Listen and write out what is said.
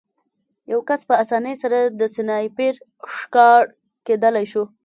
یو کس په اسانۍ سره د سنایپر ښکار کېدلی شو